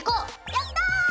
やった！